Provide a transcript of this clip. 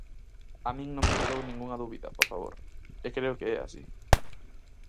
A min non me quedou ningunha dúbida por favor, e creo que é así.